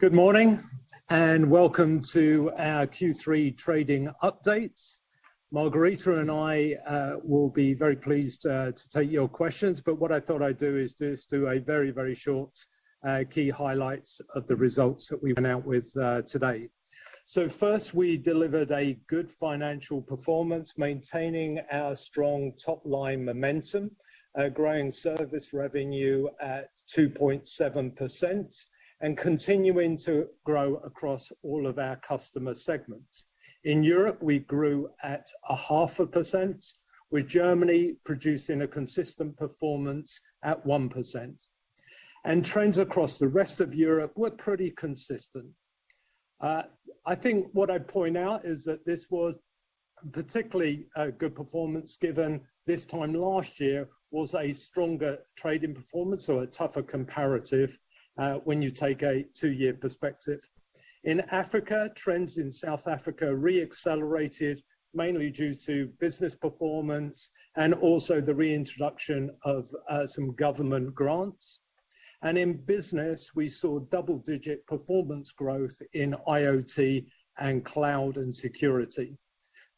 Good morning and welcome to our Q3 trading update. Margherita and I will be very pleased to take your questions, but what I thought I'd do is just do a very, very short key highlights of the results that we went out with today. First, we delivered a good financial performance, maintaining our strong top-line momentum, growing service revenue at 2.7% and continuing to grow across all of our customer segments. In Europe, we grew at 0.5%, with Germany producing a consistent performance at 1%. Trends across the rest of Europe were pretty consistent. I think what I'd point out is that this was particularly a good performance given this time last year was a stronger trading performance or a tougher comparative, when you take a two-year perspective. In Africa, trends in South Africa re-accelerated mainly due to business performance and also the reintroduction of some government grants. In business, we saw double-digit performance growth in IoT and cloud and security.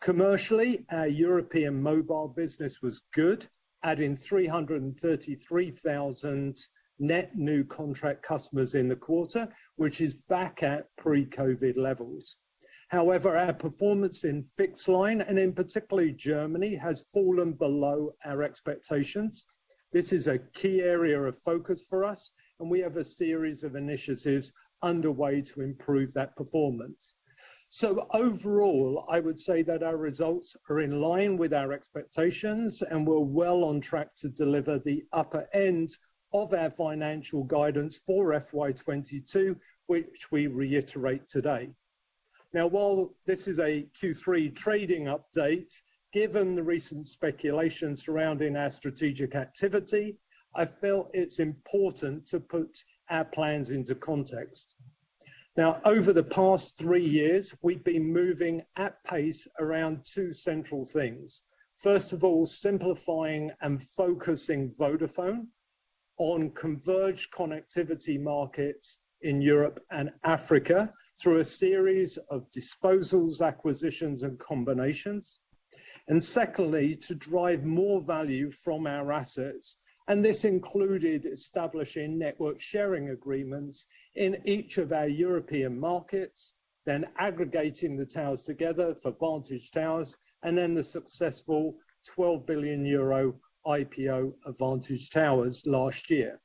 Commercially, our European mobile business was good, adding 333,000 net new contract customers in the quarter, which is back at pre-COVID levels. However, our performance in fixed line, and in particular in Germany, has fallen below our expectations. This is a key area of focus for us, and we have a series of initiatives underway to improve that performance. Overall, I would say that our results are in line with our expectations, and we're well on track to deliver the upper end of our financial guidance for FY 2022, which we reiterate today. Now while this is a Q3 trading update, given the recent speculation surrounding our strategic activity, I felt it's important to put our plans into context. Now, over the past three years, we've been moving at pace around two central things. First of all, simplifying and focusing Vodafone on converged connectivity markets in Europe and Africa through a series of disposals, acquisitions, and combinations. Secondly, to drive more value from our assets, and this included establishing network sharing agreements in each of our European markets, then aggregating the towers together for Vantage Towers, and then the successful 12 billion euro IPO of Vantage Towers last year.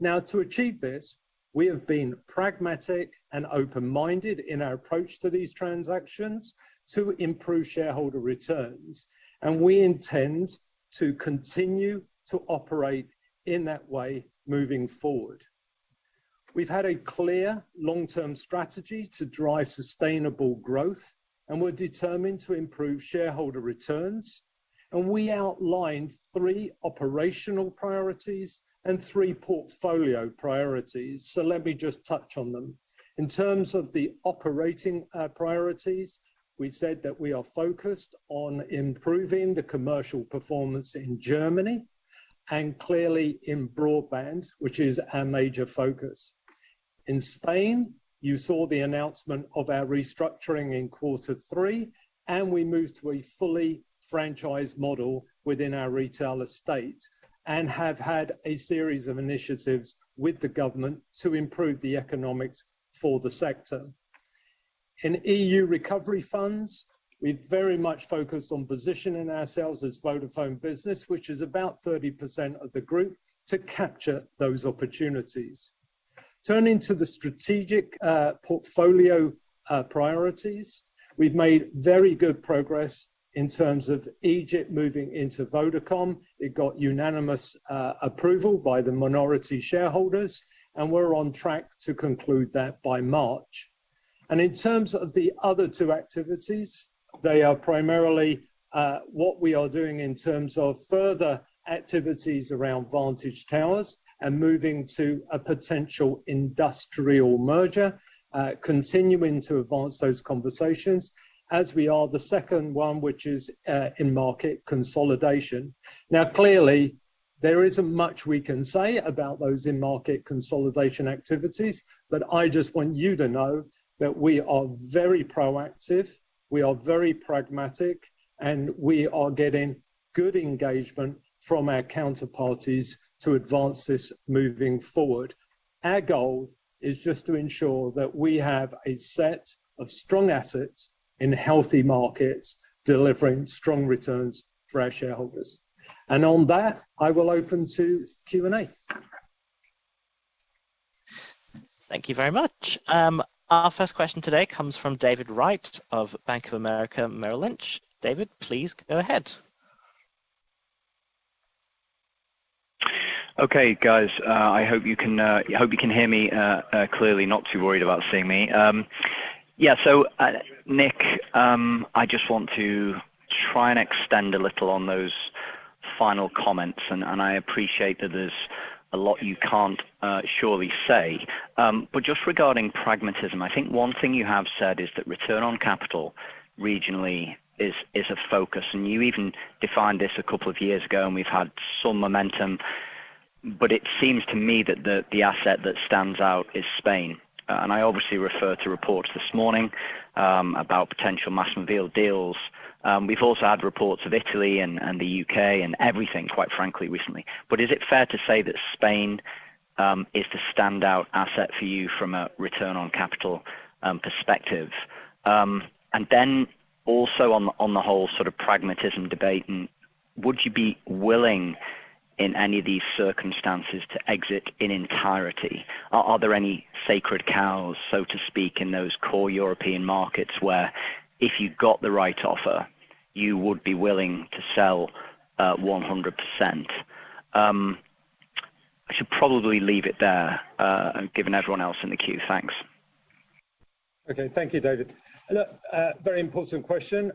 Now, to achieve this, we have been pragmatic and open-minded in our approach to these transactions to improve shareholder returns, and we intend to continue to operate in that way moving forward. We've had a clear long-term strategy to drive sustainable growth, and we're determined to improve shareholder returns. We outlined three operational priorities and three portfolio priorities. Let me just touch on them. In terms of the operating priorities, we said that we are focused on improving the commercial performance in Germany and clearly in broadband, which is our major focus. In Spain, you saw the announcement of our restructuring in quarter three, and we moved to a fully franchised model within our retail estate and have had a series of initiatives with the government to improve the economics for the sector. In E.U. recovery funds, we very much focused on positioning ourselves as Vodafone Business, which is about 30% of the group, to capture those opportunities. Turning to the strategic portfolio priorities. We've made very good progress in terms of Egypt moving into Vodacom. It got unanimous approval by the minority shareholders, and we're on track to conclude that by March. In terms of the other two activities, they are primarily what we are doing in terms of further activities around Vantage Towers and moving to a potential industrial merger, continuing to advance those conversations as we are the second one, which is in-market consolidation. Now, clearly, there isn't much we can say about those in-market consolidation activities, but I just want you to know that we are very proactive, we are very pragmatic, and we are getting good engagement from our counterparties to advance this moving forward. Our goal is just to ensure that we have a set of strong assets in healthy markets, delivering strong returns for our shareholders. On that, I will open to Q&A. Thank you very much. Our first question today comes from David Wright of Bank of America Merrill Lynch. David, please go ahead. Okay, guys. I hope you can hear me clearly. Not too worried about seeing me. Yeah, so, Nick, I just want to try and extend a little on those final comments, and I appreciate that there's a lot you can't surely say. Just regarding pragmatism, I think one thing you have said is that return on capital regionally is a focus, and you even defined this a couple of years ago, and we've had some momentum. It seems to me that the asset that stands out is Spain. I obviously refer to reports this morning about potential massive deals. We've also had reports of Italy and the U.K. and everything, quite frankly, recently. Is it fair to say that Spain is the standout asset for you from a return on capital perspective? Also on the whole sort of pragmatism debate, would you be willing, in any of these circumstances, to exit in entirety? Are there any sacred cows, so to speak, in those core European markets where if you got the right offer you would be willing to sell 100%? I should probably leave it there, given everyone else in the queue. Thanks. Okay. Thank you, David. Look, very important question.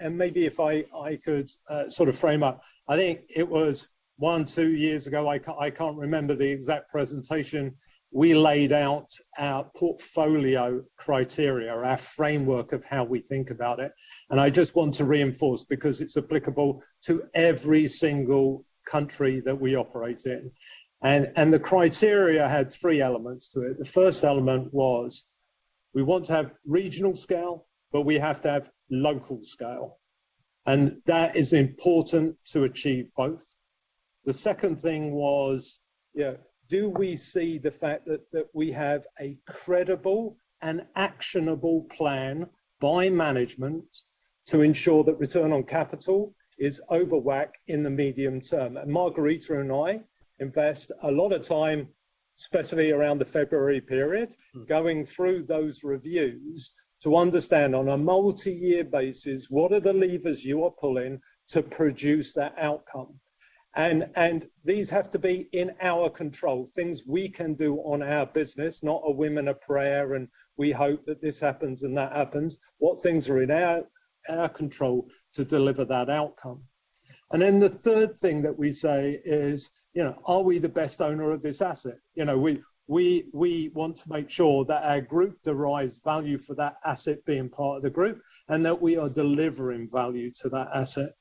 Maybe if I could sort of frame up. I think it was one or two years ago, I can't remember the exact presentation, we laid out our portfolio criteria, our framework of how we think about it. I just want to reinforce because it's applicable to every single country that we operate in. The criteria had three elements to it. The first element was, we want to have regional scale, but we have to have local scale. That is important to achieve both. The second thing was, you know, do we see the fact that we have a credible and actionable plan by management to ensure that return on capital is above WACC in the medium term? Margherita and I invest a lot of time, especially around the February period, going through those reviews to understand on a multi-year basis, what are the levers you are pulling to produce that outcome. These have to be in our control, things we can do on our business, not a wing and a prayer, and we hope that this happens and that happens. What things are in our control to deliver that outcome. Then the third thing that we say is, you know, are we the best owner of this asset? You know, we want to make sure that our group derives value for that asset being part of the group, and that we are delivering value to that asset.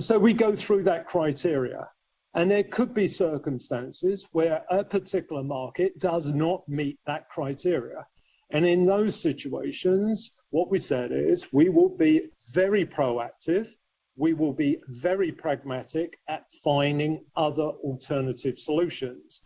So we go through that criteria, and there could be circumstances where a particular market does not meet that criteria. In those situations, what we said is, we will be very proactive, we will be very pragmatic at finding other alternative solutions.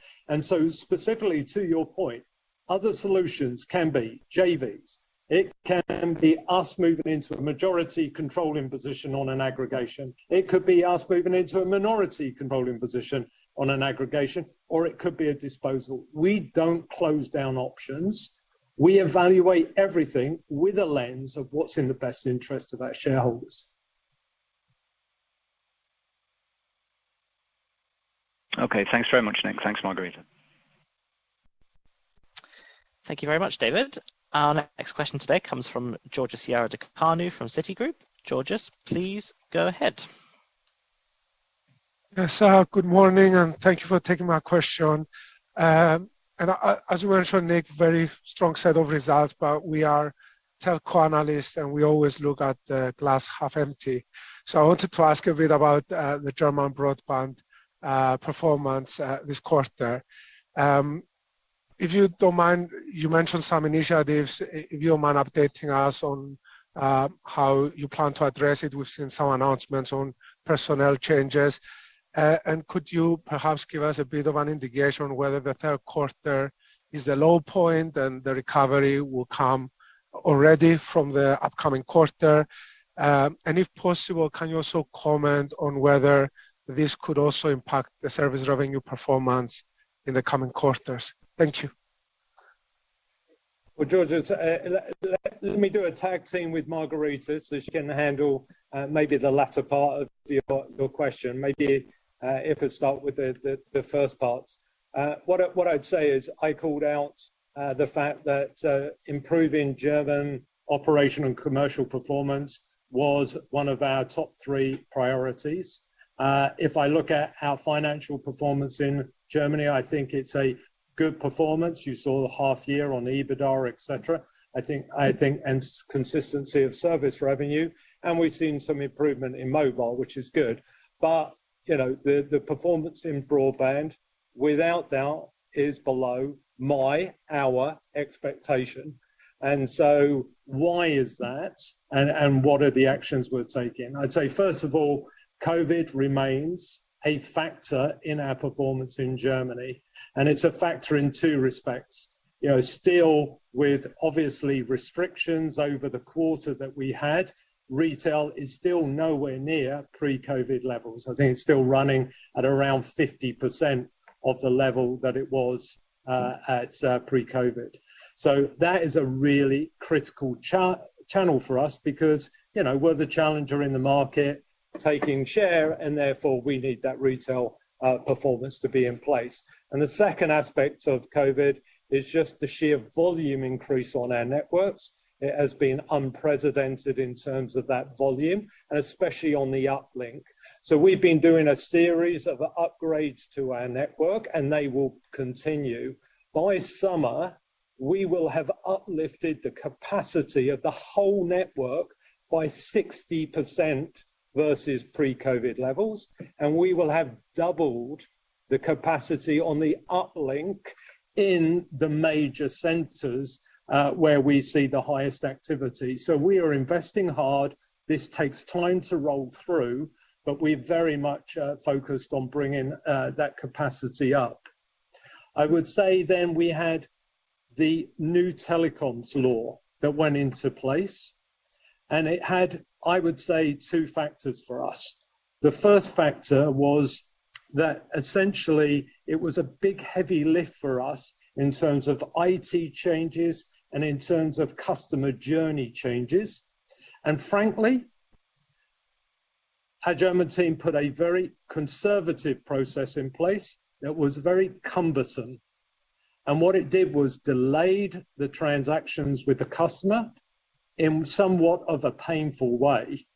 Specifically to your point, other solutions can be JVs. It can be us moving into a majority controlling position on an aggregation. It could be us moving into a minority controlling position on an aggregation, or it could be a disposal. We don't close down options. We evaluate everything with a lens of what's in the best interest of our shareholders. Okay. Thanks very much, Nick. Thanks, Margherita. Thank you very much, David. Our next question today comes from Georgios Ierodiaconou from Citigroup. Georgios, please go ahead. Yes. Good morning, and thank you for taking my question. As you mentioned, Nick, very strong set of results, but we are telco analysts, and we always look at the glass half empty. I wanted to ask a bit about the German broadband performance this quarter. If you don't mind, you mentioned some initiatives. If you don't mind updating us on how you plan to address it. We've seen some announcements on personnel changes. Could you perhaps give us a bit of an indication whether the third quarter is the low point and the recovery will come already from the upcoming quarter? If possible, can you also comment on whether this could also impact the service revenue performance in the coming quarters? Thank you. Well, Georgios, let me do a tag team with Margherita, so she can handle maybe the latter part of your question. Maybe if it start with the first part. What I'd say is, I called out the fact that improving German operation and commercial performance was one of our top three priorities. If I look at our financial performance in Germany, I think it's a good performance. You saw the half year on the EBITDA, et cetera. I think and consistency of service revenue, and we've seen some improvement in mobile, which is good. You know, the performance in broadband without doubt is below my, our expectation. Why is that? What are the actions we're taking? I'd say first of all, COVID remains a factor in our performance in Germany, and it's a factor in two respects. You know, still with obviously restrictions over the quarter that we had, retail is still nowhere near pre-COVID levels. I think it's still running at around 50% of the level that it was at pre-COVID. That is a really critical channel for us because, you know, we're the challenger in the market taking share and therefore we need that retail performance to be in place. The second aspect of COVID is just the sheer volume increase on our networks. It has been unprecedented in terms of that volume, and especially on the uplink. We've been doing a series of upgrades to our network, and they will continue. By summer, we will have uplifted the capacity of the whole network by 60% vs pre-COVID levels, and we will have doubled the capacity on the uplink in the major centers, where we see the highest activity. We are investing hard. This takes time to roll through, but we're very much focused on bringing that capacity up. I would say we had the new telecoms law that went into place, and it had, I would say, two factors for us. The first factor was that essentially it was a big, heavy lift for us in terms of IT changes and in terms of customer journey changes. Frankly, our German team put a very conservative process in place that was very cumbersome. What it did was delayed the transactions with the customer in somewhat of a painful way.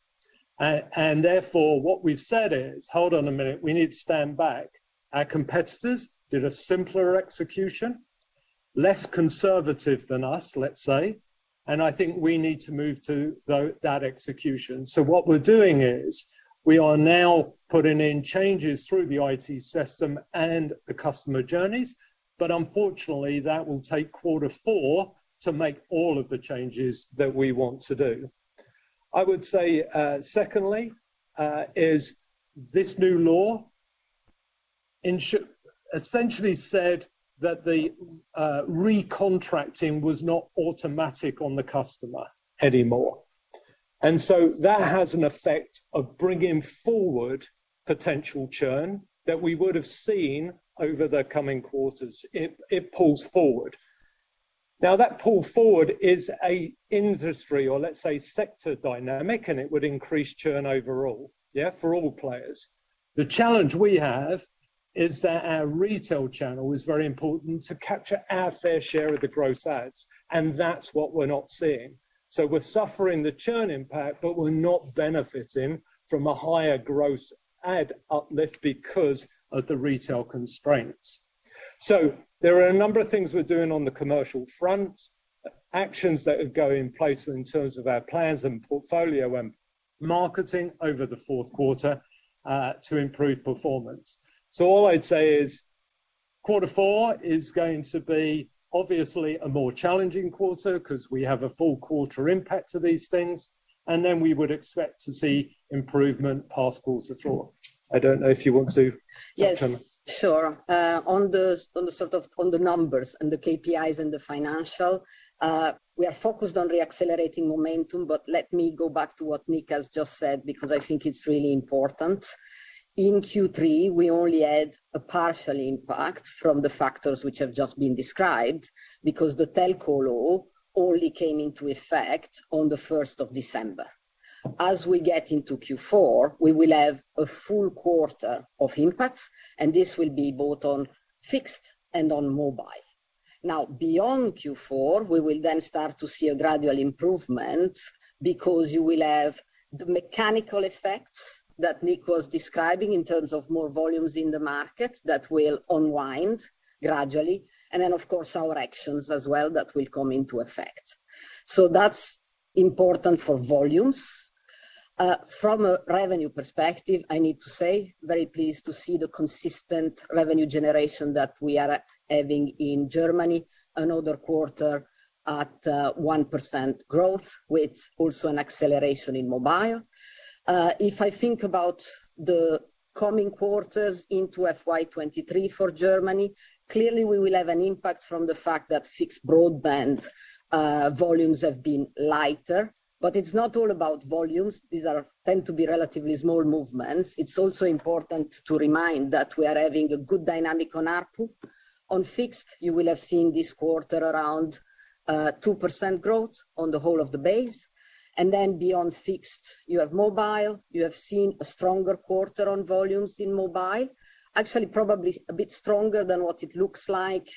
Therefore, what we've said is, "Hold on a minute. We need to stand back." Our competitors did a simpler execution, less conservative than us, let's say, and I think we need to move to that execution. What we're doing is we are now putting in changes through the IT system and the customer journeys, but unfortunately, that will take quarter four to make all of the changes that we want to do. I would say, secondly, this new law essentially said that the recontracting was not automatic on the customer anymore. That has an effect of bringing forward potential churn that we would have seen over the coming quarters. It pulls forward. Now, that pull forward is an industry or let's say sector dynamic, and it would increase churn overall. Yeah, for all players. The challenge we have is that our retail channel is very important to capture our fair share of the gross adds, and that's what we're not seeing. We're suffering the churn impact, but we're not benefiting from a higher gross add uplift because of the retail constraints. There are a number of things we're doing on the commercial front, actions that are going in place in terms of our plans and portfolio and marketing over the fourth quarter, to improve performance. All I'd say is quarter four is going to be obviously a more challenging quarter 'cause we have a full quarter impact to these things, and then we would expect to see improvement past quarter four. I don't know if you want to Yes. Talk on that. Sure. On the numbers and the KPIs and the financial, we are focused on reaccelerating momentum, but let me go back to what Nick has just said, because I think it's really important. In Q3, we only had a partial impact from the factors which have just been described because the telco law only came into effect on the first of December. As we get into Q4, we will have a full quarter of impacts, and this will be both on fixed and on mobile. Now, beyond Q4, we will then start to see a gradual improvement because you will have the mechanical effects that Nick was describing in terms of more volumes in the market that will unwind gradually, and then, of course, our actions as well that will come into effect. That's important for volumes. From a revenue perspective, I need to say very pleased to see the consistent revenue generation that we are having in Germany, another quarter at 1% growth, with also an acceleration in mobile. If I think about the coming quarters into FY 2023 for Germany, clearly we will have an impact from the fact that fixed broadband volumes have been lighter. It's not all about volumes. These tend to be relatively small movements. It's also important to remind that we are having a good dynamic on ARPU. On fixed, you will have seen this quarter around 2% growth on the whole of the base. Beyond fixed, you have mobile. You have seen a stronger quarter on volumes in mobile. Actually, probably a bit stronger than what it looks like.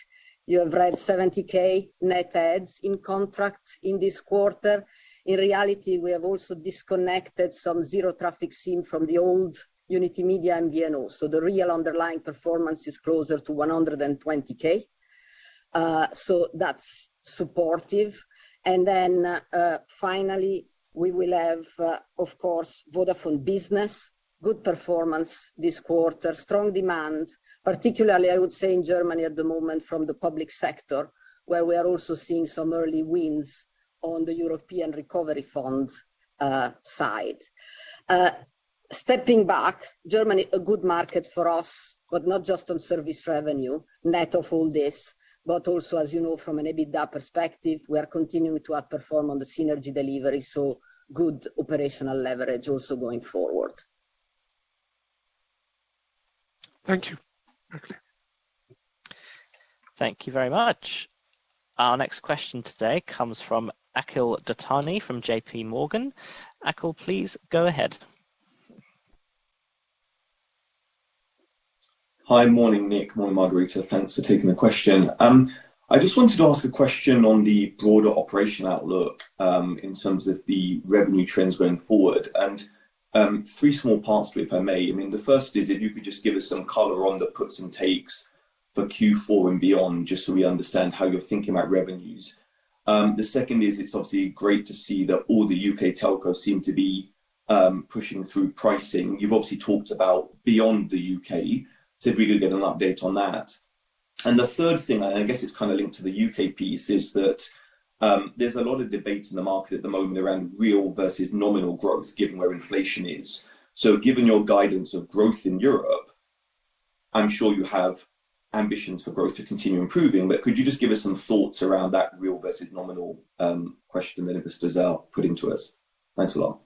You have read 70K net adds in contract in this quarter. In reality, we have also disconnected some zero traffic SIM from the old Unitymedia and VNO. The real underlying performance is closer to 120K. That's supportive. Finally, we will have, of course, Vodafone Business, good performance this quarter. Strong demand, particularly, I would say, in Germany at the moment from the public sector, where we are also seeing some early wins on the European recovery fund side. Stepping back, Germany, a good market for us, but not just on service revenue, net of all this, but also, as you know, from an EBITDA perspective, we are continuing to outperform on the synergy delivery, good operational leverage also going forward. Thank you. Okay. Thank you very much. Our next question today comes from Akhil Dattani from JPMorgan. Akhil, please go ahead. Hi. Morning, Nick. Morning, Margherita. Thanks for taking the question. I just wanted to ask a question on the broader operational outlook, in terms of the revenue trends going forward. Three small parts to it, if I may. I mean, the first is if you could just give us some color on the puts and takes for Q4 and beyond, just so we understand how you're thinking about revenues. The second is it's obviously great to see that all the U.K. telcos seem to be pushing through pricing. You've obviously talked about beyond the U.K. If we could get an update on that. The third thing, I guess it's kind of linked to the U.K. piece, is that there's a lot of debates in the market at the moment around real vs nominal growth, given where inflation is. Given your guidance of growth in Europe, I'm sure you have ambitions for growth to continue improving, but could you just give us some thoughts around that real vs nominal, question that Investors are putting to us? Thanks a lot.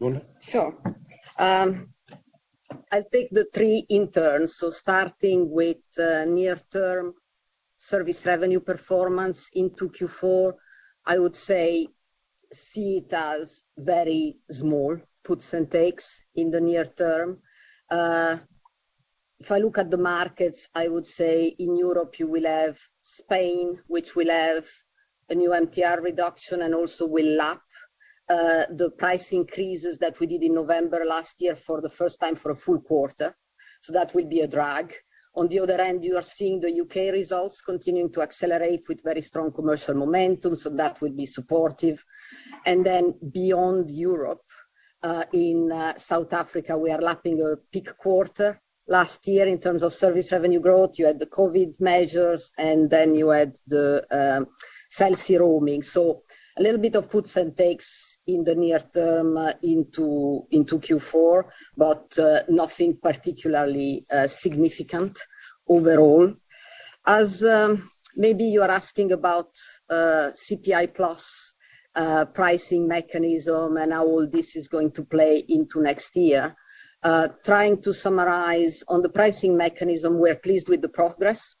Margherita? Sure. I'll take the three in turn. Starting with near-term service revenue performance into Q4, I would say see it as very small puts and takes in the near term. If I look at the markets, I would say in Europe you will have Spain, which will have a new MTR reduction and also will lap the price increases that we did in November last year for the first time for a full quarter. That will be a drag. On the other end, you are seeing the U.K. results continuing to accelerate with very strong commercial momentum, so that would be supportive. Beyond Europe, in South Africa, we are lapping a peak quarter. Last year in terms of service revenue growth, you had the COVID measures and then you had the Cell C roaming. A little bit of puts and takes in the near term into Q4, but nothing particularly significant overall. As maybe you are asking about CPI plus pricing mechanism and how all this is going to play into next year. Trying to summarize on the pricing mechanism, we're pleased with the progress.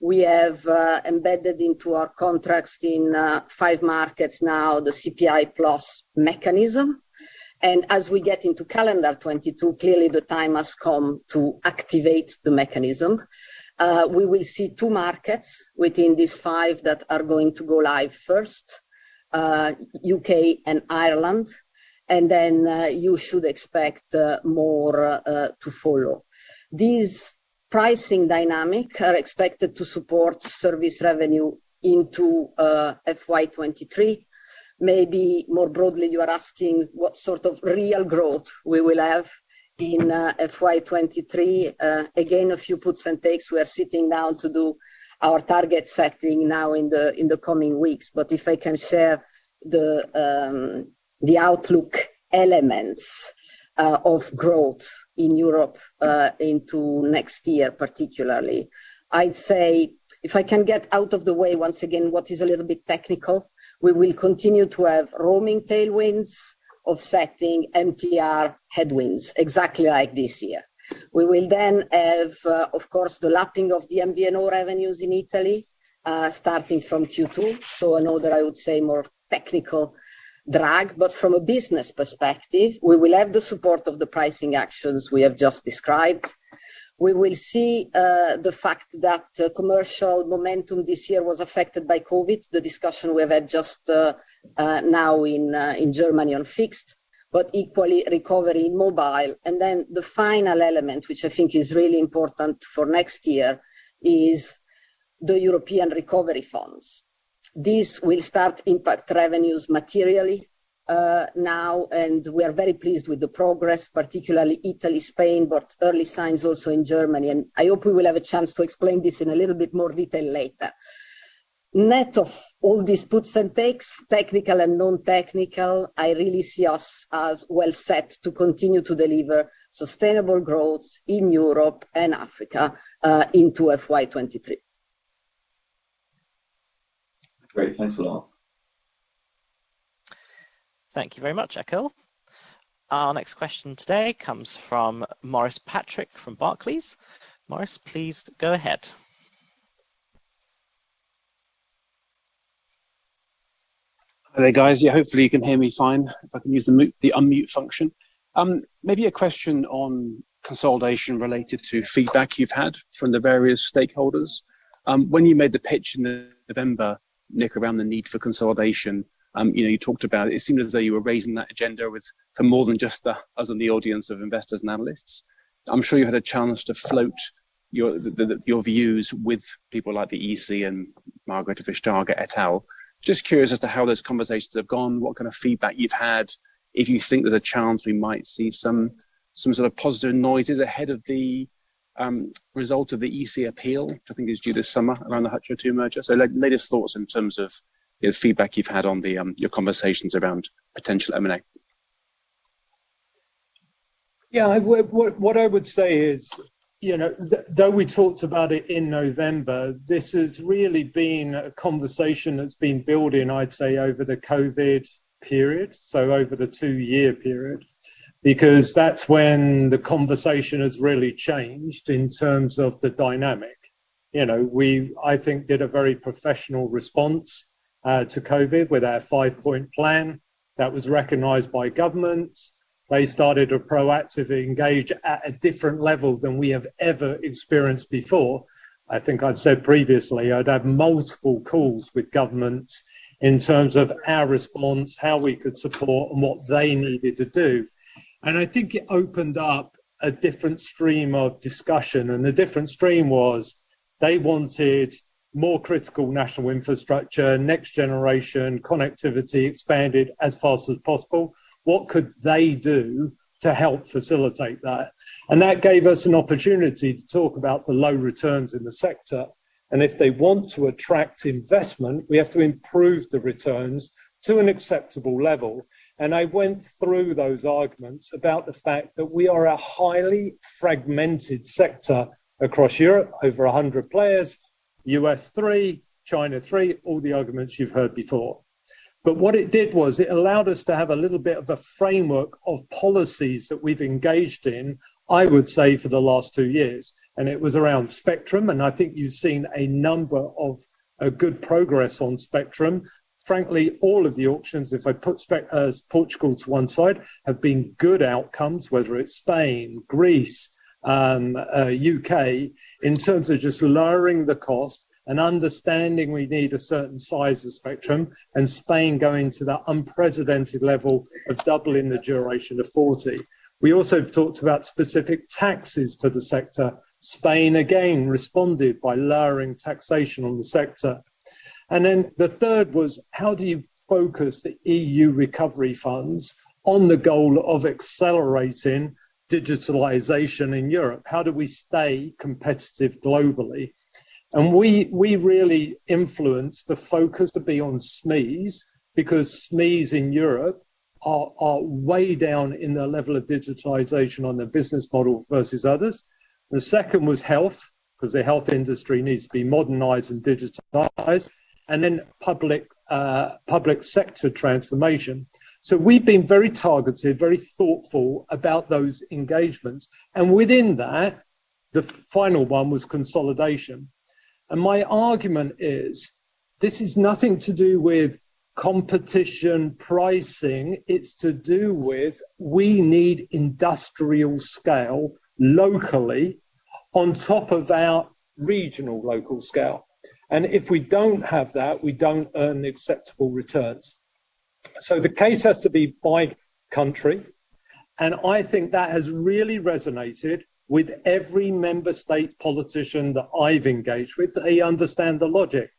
We have embedded into our contracts in five markets now the CPI plus mechanism. As we get into calendar 2022, clearly the time has come to activate the mechanism. We will see two markets within these five that are going to go live first, U.K. and Ireland, and then you should expect more to follow. These pricing dynamics are expected to support service revenue into FY 2023. Maybe more broadly, you are asking what sort of real growth we will have in FY 2023. Again, a few puts and takes. We are sitting down to do our target setting now in the coming weeks. If I can share the outlook elements of growth in Europe into next year, particularly. I'd say if I can get out of the way once again what is a little bit technical, we will continue to have roaming tailwinds offsetting MTR headwinds exactly like this year. We will then have, of course, the lapping of the MVNO revenues in Italy, starting from Q2. Another, I would say, more technical drag. From a business perspective, we will have the support of the pricing actions we have just described. We will see the fact that commercial momentum this year was affected by COVID, the discussion we've had just now in Germany on fixed, but equally recovery in mobile. Then the final element, which I think is really important for next year, is the European recovery funds. This will start impact revenues materially now, and we are very pleased with the progress, particularly Italy, Spain, but early signs also in Germany. I hope we will have a chance to explain this in a little bit more detail later. Net of all these puts and takes, technical and non-technical, I really see us as well set to continue to deliver sustainable growth in Europe and Africa into FY 2023. Great. Thanks a lot. Thank you very much, Akhil. Our next question today comes from Maurice Patrick from Barclays. Maurice, please go ahead. Hi there, guys. Yeah, hopefully you can hear me fine. If I can use the mute, the unmute function. Maybe a question on consolidation related to feedback you've had from the various stakeholders. When you made the pitch in November, Nick, around the need for consolidation, you know, you talked about it. It seemed as though you were raising that agenda with more than just us in the audience of investors and analysts. I'm sure you had a chance to float your views with people like the EC and Margrethe Vestager et al. Just curious as to how those conversations have gone, what kind of feedback you've had. If you think there's a chance we might see some sort of positive noises ahead of the result of the EC appeal, which I think is due this summer around the Hutchison merger. Like latest thoughts in terms of the feedback you've had on your conversations around potential M&A. Yeah. What I would say is, you know, though we talked about it in November, this has really been a conversation that's been building, I'd say, over the COVID period, so over the two-year period. Because that's when the conversation has really changed in terms of the dynamic. You know, we, I think, did a very professional response to COVID with our five-point plan that was recognized by governments. They started to proactively engage at a different level than we have ever experienced before. I think I'd said previously, I'd had multiple calls with governments in terms of our response, how we could support, and what they needed to do. And I think it opened up a different stream of discussion, and the different stream was they wanted more critical national infrastructure, next generation connectivity expanded as fast as possible. What could they do to help facilitate that? That gave us an opportunity to talk about the low returns in the sector, and if they want to attract investment, we have to improve the returns to an acceptable level. I went through those arguments about the fact that we are a highly fragmented sector across Europe, over 100 players, U.S. three, China three, all the arguments you've heard before. What it did was it allowed us to have a little bit of a framework of policies that we've engaged in, I would say, for the last two years. It was around spectrum, and I think you've seen a number of good progress on spectrum. Frankly, all of the auctions, if I put Spain, Portugal to one side, have been good outcomes, whether it's Spain, Greece, U.K., in terms of just lowering the cost and understanding we need a certain size of spectrum, and Spain going to that unprecedented level of doubling the duration to 40. We also talked about specific taxes to the sector. Spain again responded by lowering taxation on the sector. The third was, how do you focus the EU recovery funds on the goal of accelerating digitalization in Europe? How do we stay competitive globally? We really influenced the focus to be on SMEs because SMEs in Europe are way down in their level of digitization on their business model vs others. The second was health, 'cause the health industry needs to be modernized and digitized, and then public sector transformation. We've been very targeted, very thoughtful about those engagements. Within that, the final one was consolidation. My argument is, this is nothing to do with competition pricing. It's to do with we need industrial scale locally on top of our regional local scale. If we don't have that, we don't earn acceptable returns. The case has to be by country, and I think that has really resonated with every member state politician that I've engaged with. They understand the logic.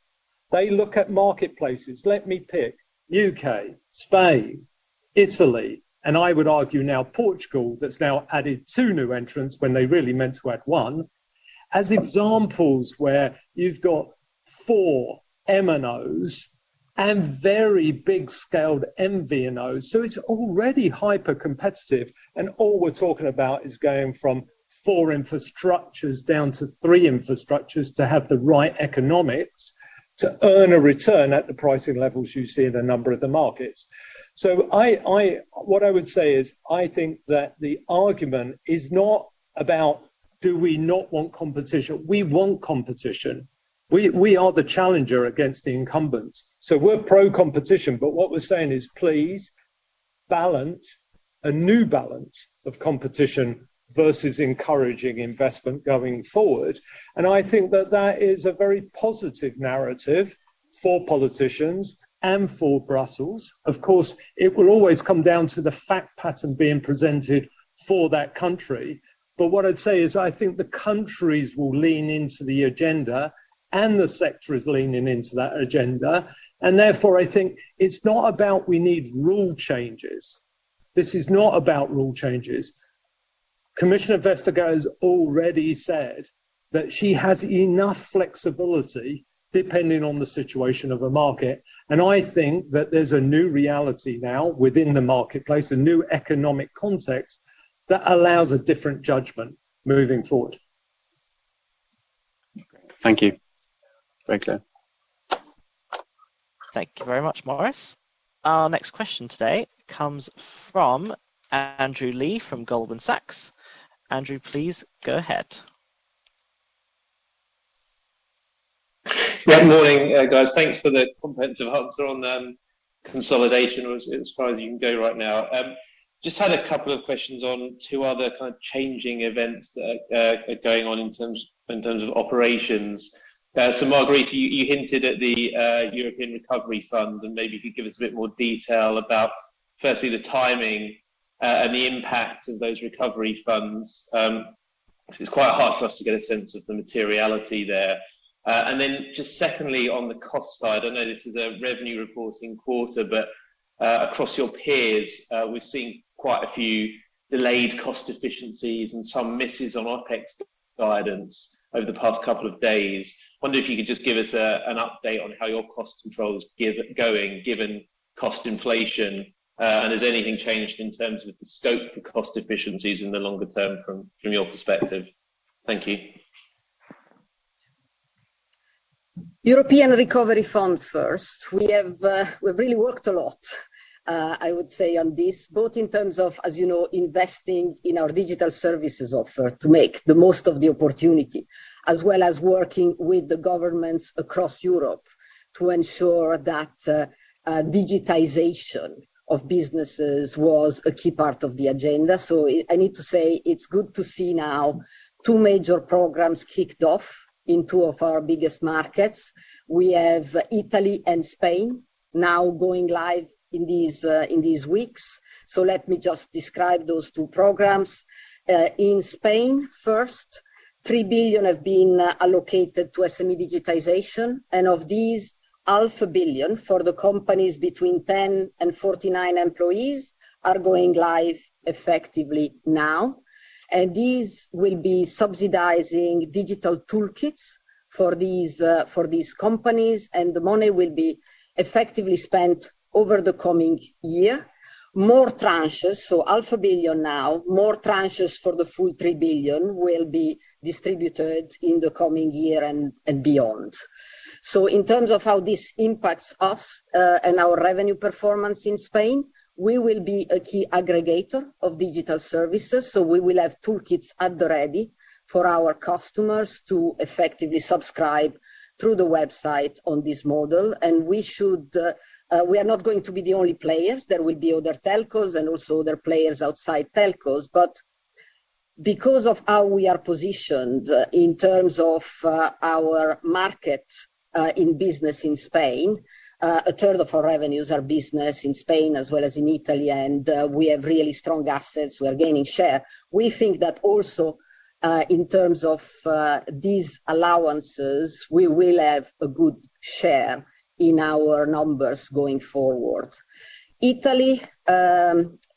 They look at marketplaces. Let me pick U.K., Spain, Italy, and I would argue now Portugal that's now added two new entrants when they really meant to add one, as examples where you've got four MNOs and very big scaled MVNOs. It's already hypercompetitive, and all we're talking about is going from four infrastructures down to three infrastructures to have the right economics to earn a return at the pricing levels you see in a number of the markets. I what I would say is I think that the argument is not about do we not want competition. We want competition. We are the challenger against the incumbents. We're pro-competition, but what we're saying is please balance a new balance of competition vs encouraging investment going forward. I think that is a very positive narrative for politicians and for Brussels. Of course, it will always come down to the fact pattern being presented for that country. What I'd say is I think the countries will lean into the agenda and the sector is leaning into that agenda. Therefore, I think it's not about we need rule changes. This is not about rule changes. Commissioner Vestager has already said that she has enough flexibility depending on the situation of a market, and I think that there's a new reality now within the marketplace, a new economic context that allows a different judgment moving forward. Thank you. Very clear. Thank you very much, Maurice. Our next question today comes from Andrew Lee from Goldman Sachs. Andrew, please go ahead. Yeah. Morning, guys. Thanks for the comprehensive answer on consolidation as far as you can go right now. Just had a couple of questions on two other kind of changing events that are going on in terms of operations. Margherita, you hinted at the European Recovery Fund, and maybe you could give us a bit more detail about firstly the timing and the impact of those recovery funds. It's quite hard for us to get a sense of the materiality there. And then just secondly on the cost side, I know this is a revenue reporting quarter, but across your peers, we've seen quite a few delayed cost efficiencies and some misses on OpEx guidance over the past couple of days. Wonder if you could just give us an update on how your cost controls are going given cost inflation. Has anything changed in terms of the scope for cost efficiencies in the longer term from your perspective? Thank you. European Recovery Fund first. We've really worked a lot I would say on this, both in terms of, as you know, investing in our digital services offer to make the most of the opportunity, as well as working with the governments across Europe to ensure that digitization of businesses was a key part of the agenda. I need to say it's good to see now two major programs kicked off in two of our biggest markets. We have Italy and Spain now going live in these weeks. Let me just describe those two programs. In Spain, first, 3 billion have been allocated to SME digitization, and of these, half a billion for the companies between 10 and 49 employees are going live effectively now. These will be subsidizing digital toolkits for these companies, and the money will be effectively spent over the coming year. More tranches, so GBP half a billion now, more tranches for the full 3 billion will be distributed in the coming year and beyond. In terms of how this impacts us and our revenue performance in Spain, we will be a key aggregator of digital services, so we will have toolkits at the ready for our customers to effectively subscribe through the website on this model. We are not going to be the only players. There will be other telcos and also other players outside telcos. Because of how we are positioned in terms of our market in business in Spain, 1/3 of our revenues are business in Spain as well as in Italy, and we have really strong assets. We are gaining share. We think that also, in terms of these allowances, we will have a good share in our numbers going forward. Italy,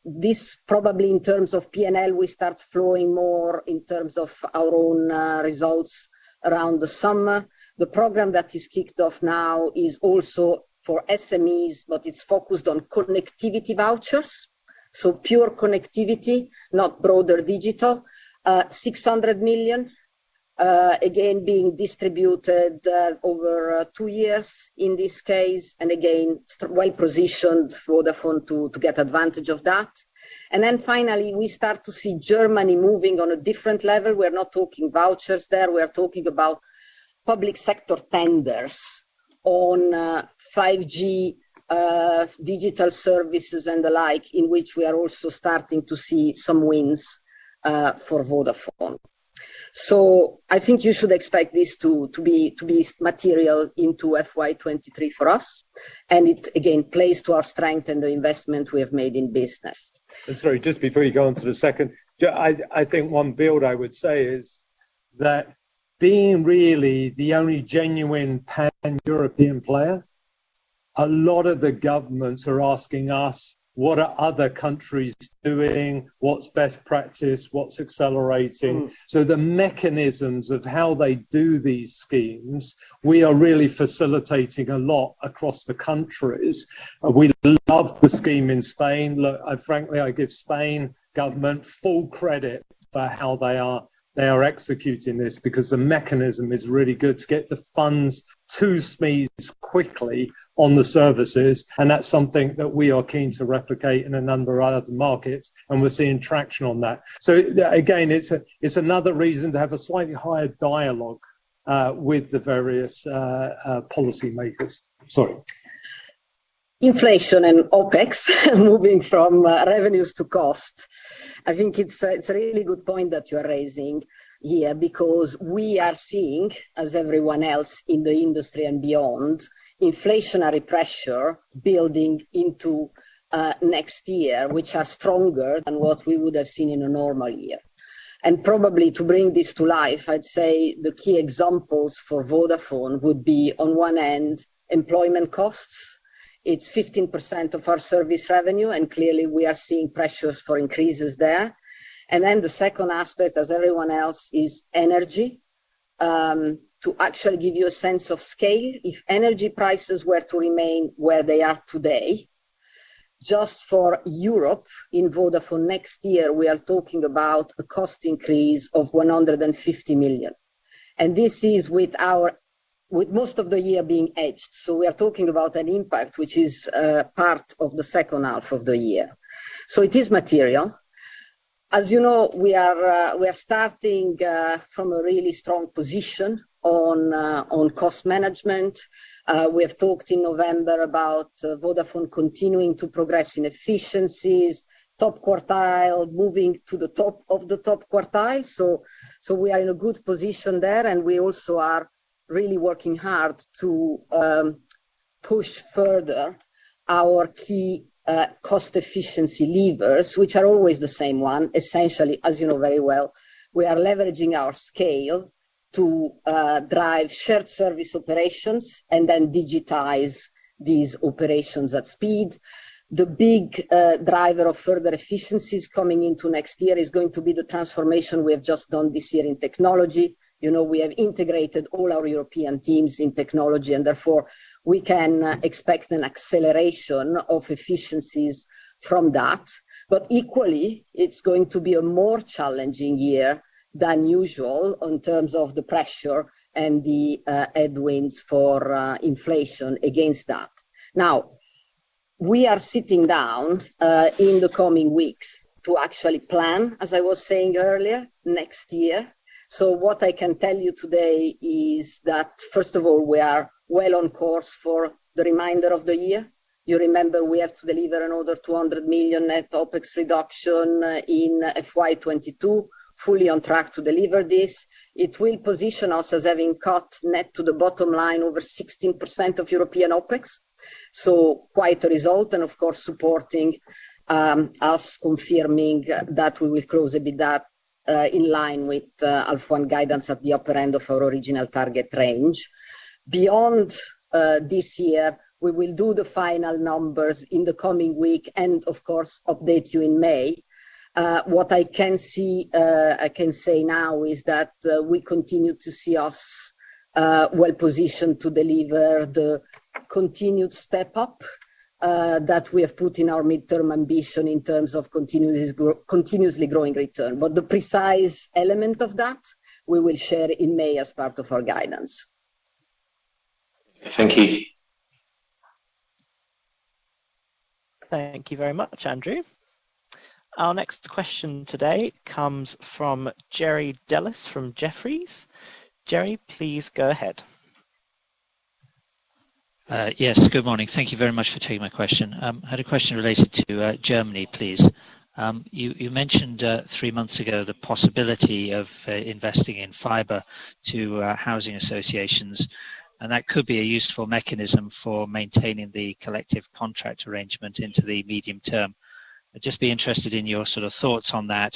this probably in terms of P&L will start flowing more in terms of our own results around the summer. The program that is kicked off now is also for SMEs, but it's focused on connectivity vouchers, so pure connectivity, not broader digital. 600 million, again, being distributed over two years in this case, and again, well-positioned for the fund to get advantage of that. Finally, we start to see Germany moving on a different level. We're not talking vouchers there. We are talking about public sector tenders on 5G, digital services and the like, in which we are also starting to see some wins for Vodafone. I think you should expect this to be material into FY 2023 for us, and it again plays to our strength and the investment we have made in business. Sorry, just before you go on to the second, Jo, I think one build I would say is that being really the only genuine Pan-European player, a lot of the governments are asking us, what are other countries doing? What's best practice? What's accelerating? Mm. The mechanisms of how they do these schemes, we are really facilitating a lot across the countries. We love the scheme in Spain. Look, I frankly give Spanish government full credit for how they are executing this, because the mechanism is really good to get the funds to SMEs quickly on the services, and that's something that we are keen to replicate in a number of other markets, and we're seeing traction on that. Again, it's another reason to have a slightly higher dialogue with the various policymakers. Sorry. Inflation and OpEx, moving from revenues to cost. I think it's a really good point that you're raising here, because we are seeing, as everyone else in the industry and beyond, inflationary pressure building into next year, which are stronger than what we would have seen in a normal year. Probably to bring this to life, I'd say the key examples for Vodafone would be on one end, employment costs. It's 15% of our service revenue, and clearly we are seeing pressures for increases there. Then the second aspect, as everyone else, is energy. To actually give you a sense of scale, if energy prices were to remain where they are today, just for Europe in Vodafone next year, we are talking about a cost increase of 150 million. This is with most of the year being edged. We are talking about an impact which is part of the second half of the year. It is material. As you know, we are starting from a really strong position on cost management. We have talked in November about Vodafone continuing to progress in efficiencies, top quartile, moving to the top of the top quartile. We are in a good position there, and we also are really working hard to push further our key cost efficiency levers, which are always the same one. Essentially, as you know very well, we are leveraging our scale to drive shared service operations and then digitize these operations at speed. The big driver of further efficiencies coming into next year is going to be the transformation we have just done this year in technology. You know, we have integrated all our European teams in technology, and therefore, we can expect an acceleration of efficiencies from that. Equally, it's going to be a more challenging year than usual in terms of the pressure and the headwinds from inflation against that. Now We are sitting down in the coming weeks to actually plan, as I was saying earlier, next year. What I can tell you today is that, first of all, we are well on course for the remainder of the year. You remember we have to deliver another 200 million net OpEx reduction in FY 2022, fully on track to deliver this. It will position us as having cut net to the bottom line over 16% of European OpEx. Quite a result and of course, supporting us confirming that we will close EBITDA in line with our own guidance at the upper end of our original target range. Beyond this year, we will do the final numbers in the coming week and of course, update you in May. What I can see, I can say now is that we continue to see ourselves well positioned to deliver the continued step up that we have put in our midterm ambition in terms of continuously growing return. The precise element of that we will share in May as part of our guidance. Thank you. Thank you very much, Andrew. Our next question today comes from Jerry Dellis from Jefferies. Jerry, please go ahead. Yes. Good morning. Thank you very much for taking my question. I had a question related to Germany, please. You mentioned three months ago the possibility of investing in fiber to housing associations, and that could be a useful mechanism for maintaining the collective contract arrangement into the medium term. I'd just be interested in your sort of thoughts on that,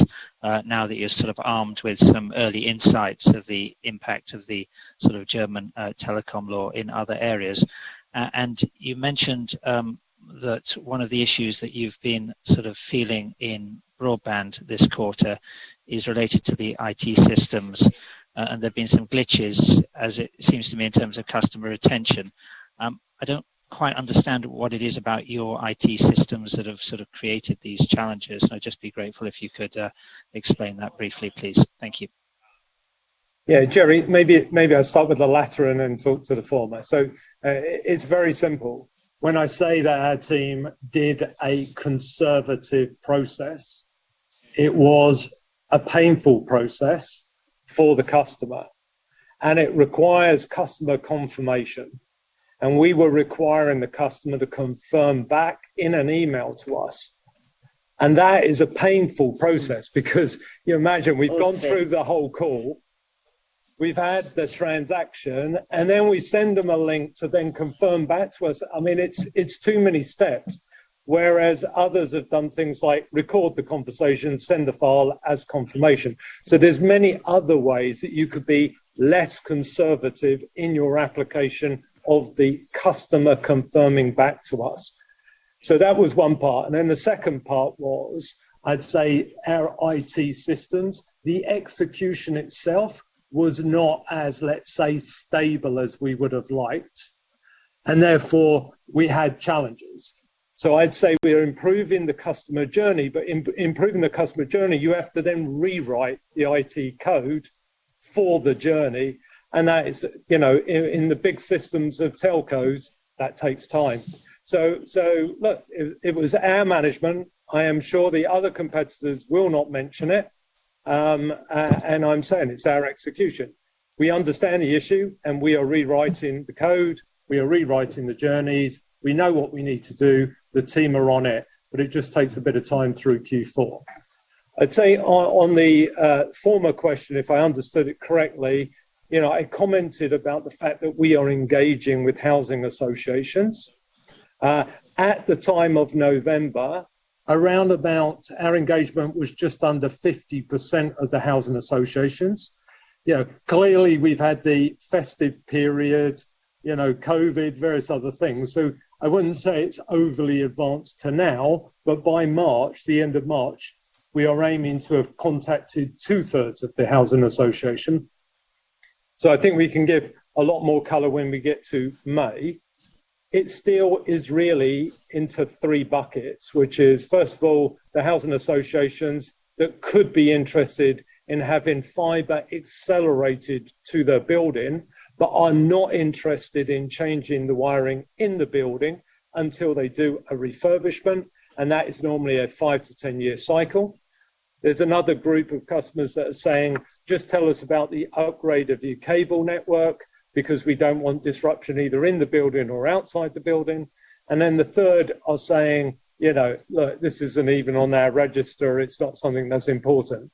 now that you're sort of armed with some early insights of the impact of the sort of German telecom law in other areas. And you mentioned that one of the issues that you've been sort of feeling in broadband this quarter is related to the IT systems, and there have been some glitches, as it seems to me, in terms of customer retention. I don't quite understand what it is about your IT systems that have sort of created these challenges. I'd just be grateful if you could explain that briefly, please. Thank you. Yeah. Jerry, maybe I'll start with the latter and then talk to the former. It's very simple. When I say that our team did a conservative process, it was a painful process for the customer, and it requires customer confirmation. We were requiring the customer to confirm back in an email to us. That is a painful process because you imagine we've gone through the whole call, we've had the transaction, and then we send them a link to then confirm back to us. I mean, it's too many steps, whereas others have done things like record the conversation, send the file as confirmation. There's many other ways that you could be less conservative in your application of the customer confirming back to us. That was one part. Then the second part was, I'd say our IT systems. The execution itself was not as, let's say, stable as we would have liked, and therefore we had challenges. I'd say we are improving the customer journey, but improving the customer journey, you have to then rewrite the IT code for the journey, and that is, you know, in the big systems of telcos, that takes time. Look, it was our management. I am sure the other competitors will not mention it, and I'm saying it's our execution. We understand the issue, and we are rewriting the code, we are rewriting the journeys. We know what we need to do. The team are on it, but it just takes a bit of time through Q4. I'd say on the former question, if I understood it correctly, you know, I commented about the fact that we are engaging with housing associations. At the time of November, around about our engagement was just under 50% of the housing associations. You know, clearly we've had the festive period, you know, COVID, various other things. I wouldn't say it's overly advanced to now, but by March, the end of March, we are aiming to have contacted 2/3 of the housing association. I think we can give a lot more color when we get to May. It still is really into three buckets, which is, first of all, the housing associations that could be interested in having fiber accelerated to their building but are not interested in changing the wiring in the building until they do a refurbishment, and that is normally a five- to ten-year cycle. There's another group of customers that are saying, "Just tell us about the upgrade of your cable network because we don't want disruption either in the building or outside the building." The third are saying, you know, "Look, this isn't even on our radar. It's not something that's important."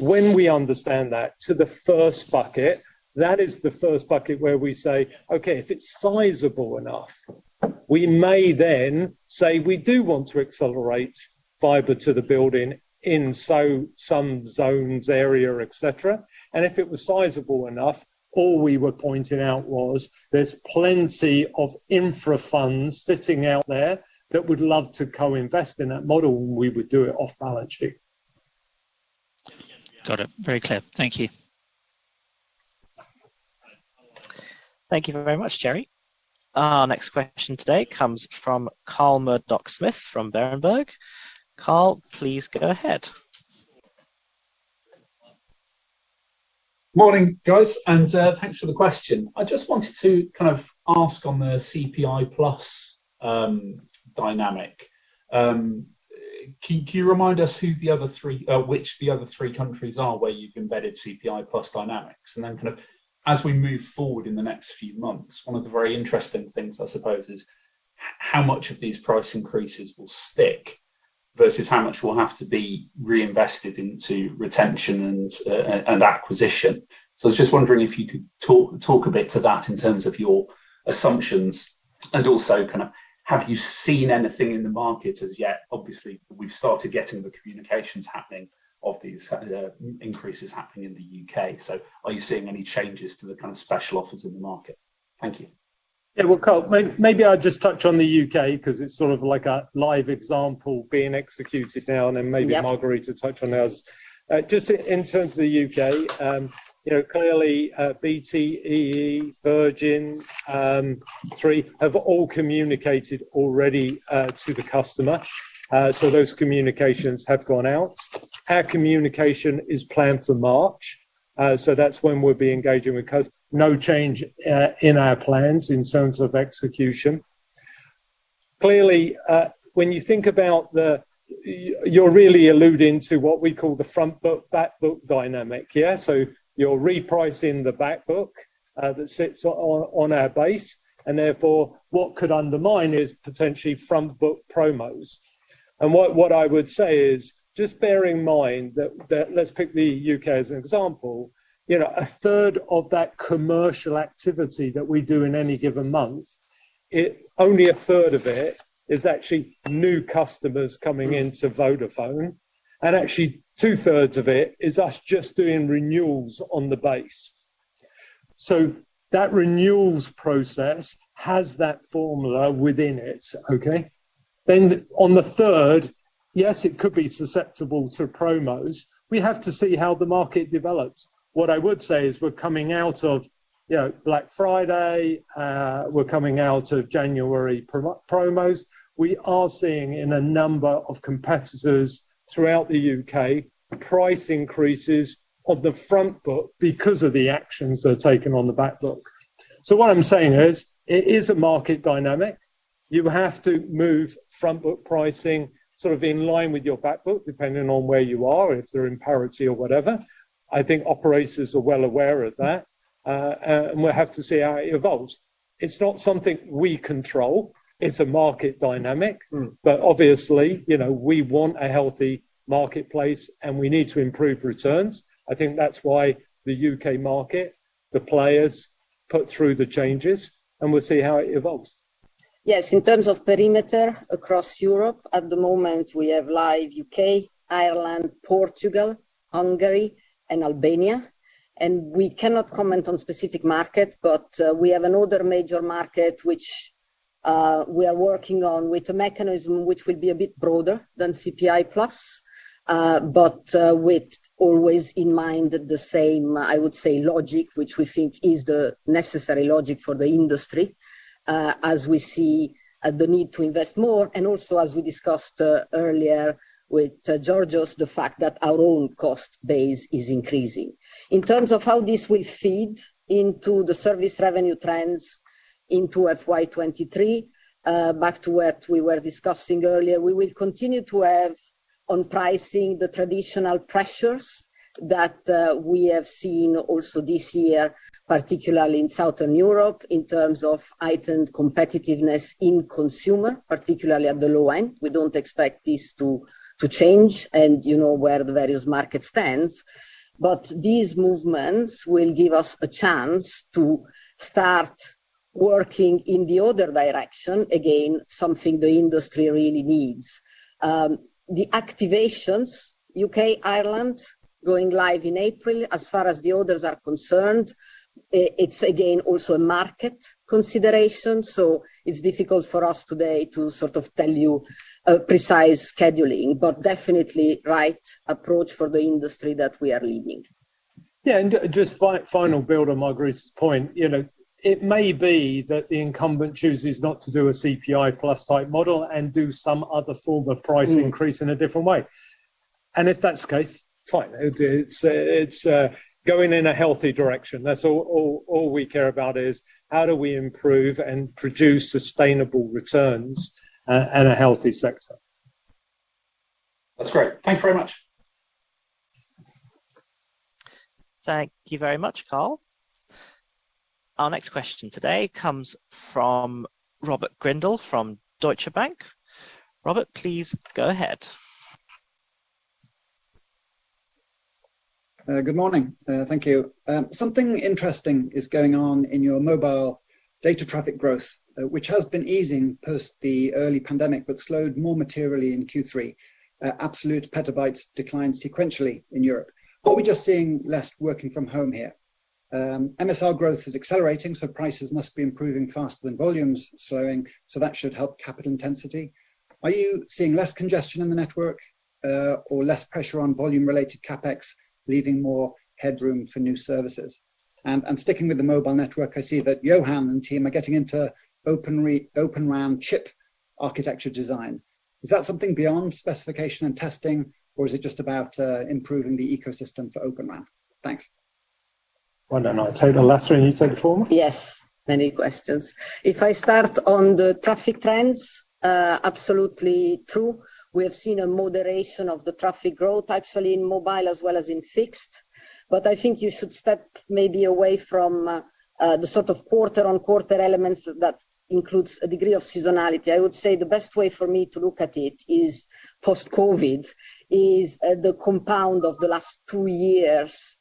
When we understand that, to the first bucket, that is the first bucket where we say, "Okay, if it's sizable enough, we may then say, we do want to accelerate fiber to the building in some zones, areas, et cetera." If it was sizable enough, all we were pointing out was there's plenty of infra funds sitting out there that would love to co-invest. In that model, we would do it off balance sheet. Got it. Very clear. Thank you. Thank you very much, Jerry. Our next question today comes from Carl Murdock-Smith from Berenberg. Carl, please go ahead. Morning, guys, and thanks for the question. I just wanted to kind of ask on the CPI plus dynamic. Can you remind us which the other three countries are where you've embedded CPI plus dynamics? Then kind of as we move forward in the next few months, one of the very interesting things, I suppose, is how much of these price increases will stick vs how much will have to be reinvested into retention and acquisition. I was just wondering if you could talk a bit to that in terms of your assumptions and also kind of have you seen anything in the markets as yet? Obviously, we've started getting the communications happening of these increases happening in the U.K. Are you seeing any changes to the kind of special offers in the market? Thank you. Yeah. Well, Carl, maybe I'll just touch on the U.K. because it's sort of like a live example being executed now and then. Yep. Maybe Margherita touch on those. Just in terms of the U.K., you know, clearly, BT, EE, Virgin, Three have all communicated already to the customer. So those communications have gone out. Our communication is planned for March, so that's when we'll be engaging with customers. No change in our plans in terms of execution. Clearly, when you think about the—you're really alluding to what we call the frontbook-backbook dynamic here. So you're repricing the backbook that sits on our base, and therefore, what could undermine is potentially frontbook promos. What I would say is just bear in mind that let's pick the U.K. as an example. You know, 1/3 of that commercial activity that we do in any given month, only 1/3 of it is actually new customers coming into Vodafone, and actually 2/3 of it is us just doing renewals on the base. So that renewals process has that formula within it, okay? Then on the third, yes, it could be susceptible to promos. We have to see how the market develops. What I would say is we're coming out of, you know, Black Friday. We're coming out of January promos. We are seeing in a number of competitors throughout the U.K. price increases of the frontbook because of the actions that are taken on the backbook. So what I'm saying is, it is a market dynamic. You have to move frontbook pricing sort of in line with your backbook, depending on where you are, if they're in parity or whatever. I think operators are well aware of that. We'll have to see how it evolves. It's not something we control. It's a market dynamic. Mm. Obviously, you know, we want a healthy marketplace, and we need to improve returns. I think that's why the U.K. market, the players put through the changes, and we'll see how it evolves. Yes. In terms of perimeter across Europe, at the moment, we have live U.K., Ireland, Portugal, Hungary, and Albania. We cannot comment on specific market, but we have another major market which we are working on with a mechanism which will be a bit broader than CPI plus, but with always in mind the same, I would say, logic, which we think is the necessary logic for the industry, as we see the need to invest more, and also, as we discussed earlier with Georgios, the fact that our own cost base is increasing. In terms of how this will feed into the service revenue trends into FY 2023, back to what we were discussing earlier, we will continue to have on pricing the traditional pressures that we have seen also this year, particularly in Southern Europe, in terms of heightened competitiveness in consumer, particularly at the low end. We don't expect this to change and you know where the various markets stand. These movements will give us a chance to start working in the other direction, again, something the industry really needs. The activations, U.K., Ireland, going live in April. As far as the others are concerned, it's again also a market consideration, so it's difficult for us today to sort of tell you a precise schedule. Definitely right approach for the industry that we are leading. Yeah. Just final build on Margherita's point. You know, it may be that the incumbent chooses not to do a CPI plus type model and do some other form of price increase. Mm. In a different way. If that's the case, fine. It's going in a healthy direction. That's all we care about is how do we improve and produce sustainable returns and a healthy sector. That's great. Thank you very much. Thank you very much, Carl. Our next question today comes from Robert Grindle from Deutsche Bank. Robert, please go ahead. Good morning. Thank you. Something interesting is going on in your mobile data traffic growth, which has been easing post the early pandemic but slowed more materially in Q3. Absolute petabytes declined sequentially in Europe. Are we just seeing less working from home here? MSR growth is accelerating, so prices must be improving faster than volumes slowing, so that should help capital intensity. Are you seeing less congestion in the network, or less pressure on volume-related CapEx, leaving more headroom for new services? Sticking with the mobile network, I see that Johan and team are getting into Open RAN chip. Architecture design. Is that something beyond specification and testing, or is it just about improving the ecosystem for Open RAN? Thanks. Why don't I take the latter and you take the former? Yes. Many questions. If I start on the traffic trends, absolutely true. We have seen a moderation of the traffic growth, actually, in mobile as well as in fixed. I think you should step maybe away from the sort of quarter-on-quarter elements that includes a degree of seasonality. I would say the best way for me to look at it is post-COVID, the compound of the last two years'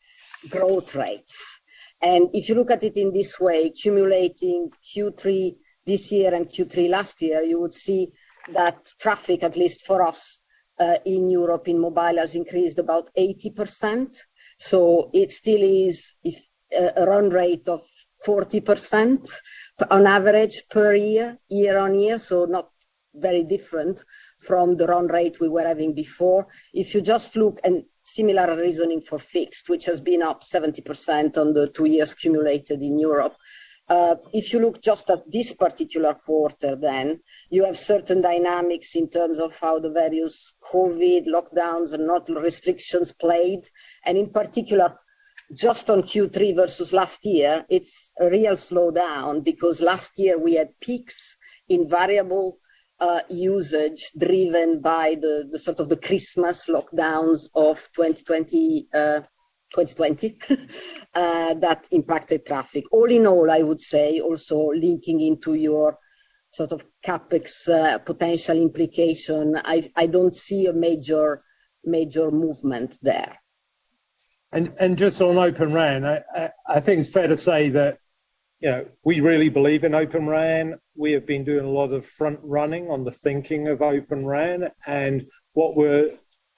growth rates. If you look at it in this way, accumulating Q3 this year and Q3 last year, you would see that traffic, at least for us, in Europe, in mobile, has increased about 80%. It still is a run rate of 40% on average per year-on-year, so not very different from the run rate we were having before. If you just look and similar reasoning for fixed, which has been up 70% over the two years accumulated in Europe. If you look just at this particular quarter then, you have certain dynamics in terms of how the various COVID lockdowns and other restrictions played. In particular, just on Q3 vs last year, it's a real slowdown because last year we had peaks in variable usage driven by the Christmas lockdowns of 2020 that impacted traffic. All in all, I would say also linking into your sort of CapEx potential implication, I don't see a major movement there. Just on Open RAN, I think it's fair to say that, you know, we really believe in Open RAN. We have been doing a lot of front running on the thinking of Open RAN. What we're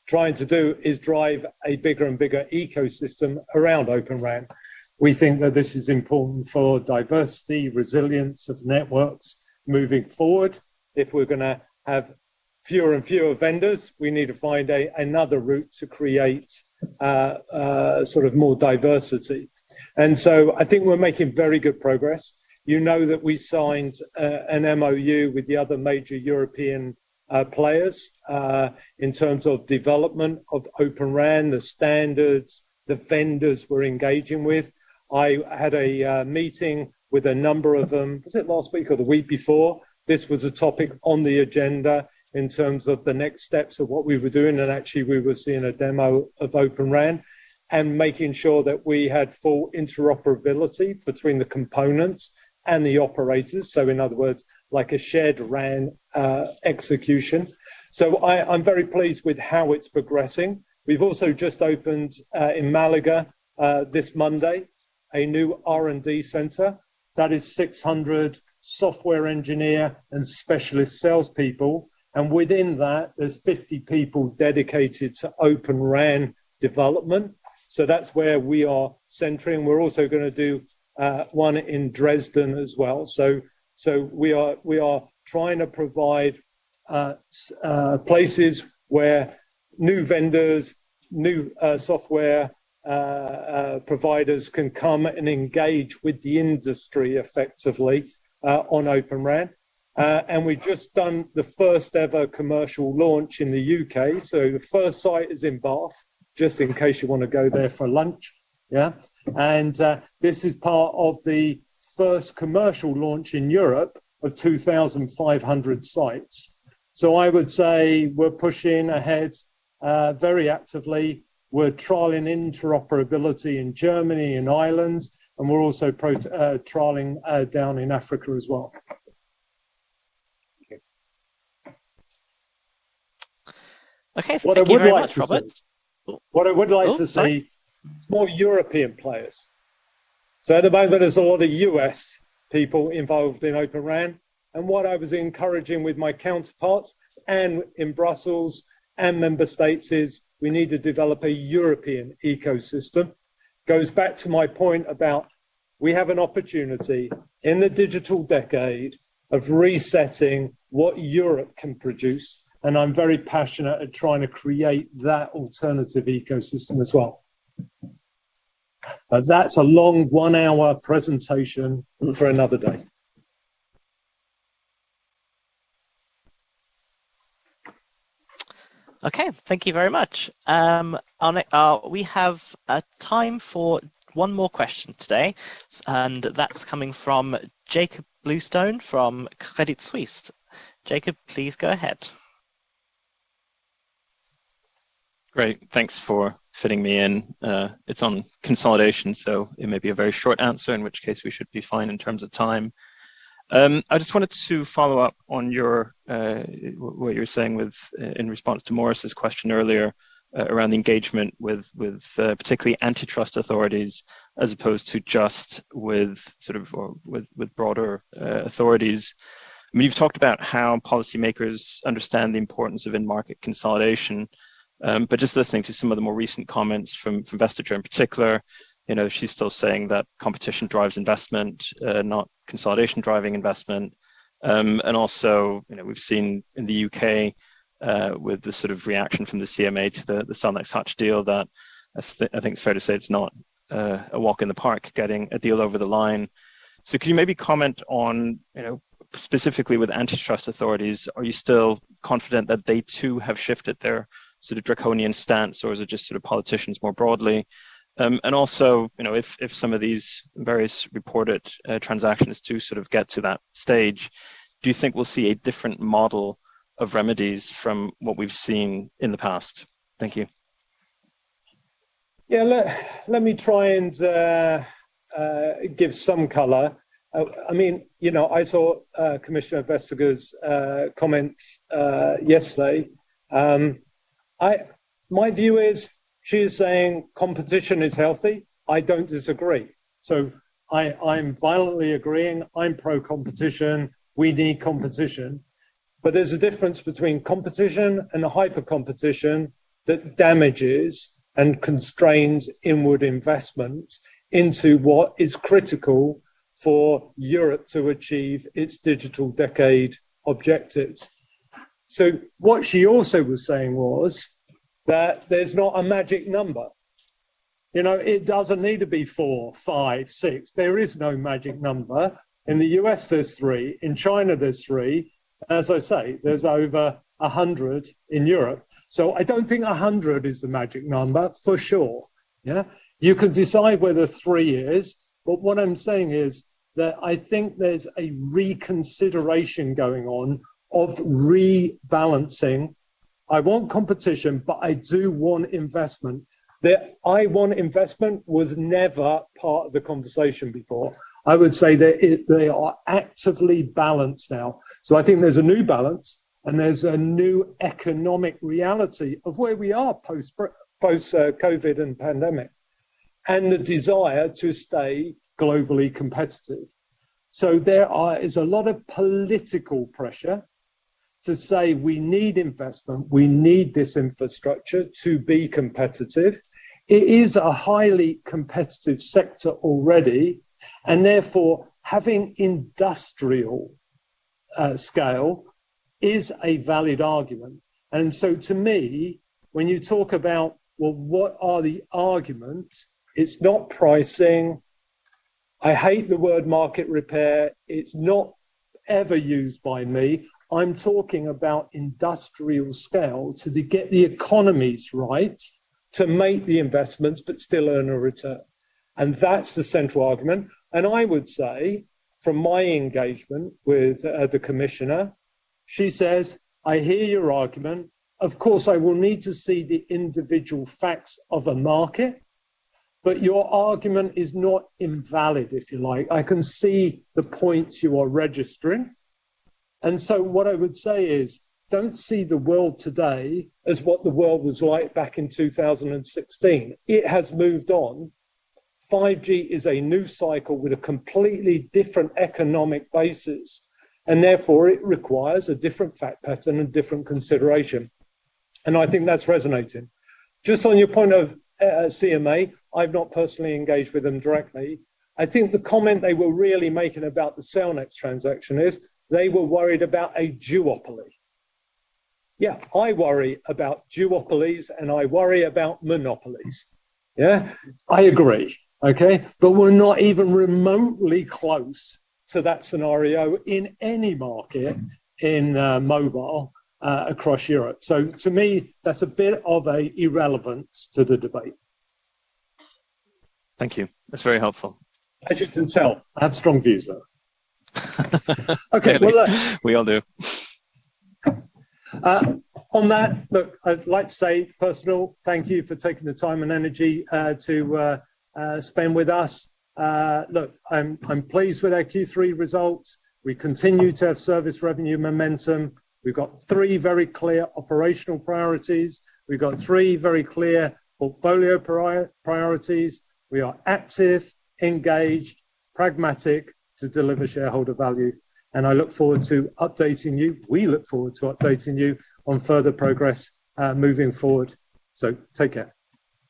trying to do is drive a bigger and bigger ecosystem around Open RAN. We think that this is important for diversity, resilience of networks moving forward. If we're gonna have fewer and fewer vendors, we need to find another route to create sort of more diversity. I think we're making very good progress. You know that we signed an MoU with the other major European players in terms of development of Open RAN, the standards the vendors were engaging with. I had a meeting with a number of them, was it last week or the week before? This was a topic on the agenda in terms of the next steps of what we were doing, and actually we were seeing a demo of Open RAN and making sure that we had full interoperability between the components and the operators. In other words, like a shared RAN execution. I'm very pleased with how it's progressing. We've also just opened in Málaga this Monday a new R&D center that is 600 software engineers and specialist salespeople. Within that, there's 50 people dedicated to Open RAN development. That's where we are centering. We're also gonna do one in Dresden as well. We are trying to provide places where new vendors, new software providers can come and engage with the industry effectively on Open RAN. We've just done the first ever commercial launch in the U.K. The first site is in Bath, just in case you wanna go there for lunch. Yeah. This is part of the first commercial launch in Europe of 2,500 sites. I would say we're pushing ahead very actively. We're trialing interoperability in Germany and Ireland, and we're also trialing down in Africa as well. Okay. Thank you very much, Robert. What I would like to see. Oh, sorry. What I would like to see, more European players. At the moment, it's all the U.S. people involved in Open RAN. What I was encouraging with my counterparts and in Brussels and member states is we need to develop a European ecosystem. It goes back to my point about we have an opportunity in the Digital Decade of resetting what Europe can produce, and I'm very passionate at trying to create that alternative ecosystem as well. That's a long one-hour presentation for another day. Okay. Thank you very much. We have time for one more question today, and that's coming from Jakob Bluestone from Credit Suisse. Jakob, please go ahead. Great. Thanks for fitting me in. It's on consolidation, so it may be a very short answer, in which case we should be fine in terms of time. I just wanted to follow up on what you were saying in response to Morris's question earlier, around the engagement with particularly antitrust authorities as opposed to just with sort of or with broader authorities. I mean, you've talked about how policymakers understand the importance of end market consolidation, but just listening to some of the more recent comments from Vestager in particular, you know, she's still saying that competition drives investment, not consolidation driving investment. You know, we've seen in the U.K., with the sort of reaction from the CMA to the Cellnex Hutchison deal that I think it's fair to say it's not a walk in the park, getting a deal over the line. Could you maybe comment on, you know, specifically with antitrust authorities, are you still confident that they too have shifted their sort of draconian stance, or is it just sort of politicians more broadly? You know, if some of these various reported transactions do sort of get to that stage, do you think we'll see a different model of remedies from what we've seen in the past? Thank you. Yeah. Let me try and give some color. I mean, you know, I saw Commissioner Vestager's comments yesterday. My view is she is saying competition is healthy. I don't disagree. I'm violently agreeing. I'm pro-competition. We need competition. There's a difference between competition and hyper competition that damages and constrains inward investment into what is critical for Europe to achieve its digital decade objectives. What she also was saying was that there's not a magic number. You know, it doesn't need to be four, five, six. There is no magic number. In the U.S., there's three. In China, there's three. As I say, there's over 100 in Europe. I don't think 100 is the magic number for sure, yeah. You can decide whether three is. What I'm saying is that I think there's a reconsideration going on of rebalancing. I want competition, but I do want investment. The I want investment was never part of the conversation before. I would say that they are actively balanced now. I think there's a new balance, and there's a new economic reality of where we are post COVID and pandemic, and the desire to stay globally competitive. There is a lot of political pressure to say we need investment, we need this infrastructure to be competitive. It is a highly competitive sector already, and therefore, having industrial scale is a valid argument. To me, when you talk about, well, what are the arguments? It's not pricing. I hate the word market repair. It's not ever used by me. I'm talking about industrial scale to get the economies right, to make the investments but still earn a return. That's the central argument. I would say from my engagement with the commissioner, she says, "I hear your argument. Of course, I will need to see the individual facts of a market, but your argument is not invalid, if you like. I can see the points you are registering." What I would say is, don't see the world today as what the world was like back in 2016. It has moved on. 5G is a new cycle with a completely different economic basis, and therefore it requires a different fact pattern and different consideration. I think that's resonating. Just on your point of CMA, I've not personally engaged with them directly. I think the comment they were really making about the Cellnex transaction is they were worried about a duopoly. Yeah, I worry about duopolies, and I worry about monopolies. Yeah, I agree. Okay? But we're not even remotely close to that scenario in any market in mobile across Europe. So to me, that's a bit of an irrelevance to the debate. Thank you. That's very helpful. As you can tell, I have strong views, though. Clearly. Okay. Well, look. We all do. On that, look, I'd like to say a personal thank you for taking the time and energy to spend with us. Look, I'm pleased with our Q3 results. We continue to have service revenue momentum. We've got three very clear operational priorities. We've got three very clear portfolio priorities. We are active, engaged, pragmatic to deliver shareholder value, and I look forward to updating you. We look forward to updating you on further progress moving forward. Take care.